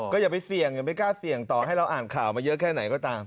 อย่าไปเสี่ยงอย่าไม่กล้าเสี่ยงต่อให้เราอ่านข่าวมาเยอะแค่ไหนก็ตาม